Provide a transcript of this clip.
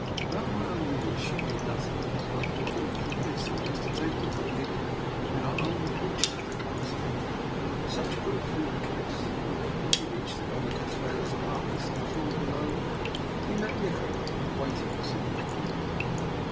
About my own meals she knew nothing, so I concluded from this that I was to take them with Nikola in our own portion of the castle. Such proved to be the case; for when we reached the Doiia Consuelo's apartments on the floor below, we met Nikola awaiting us in the corridor.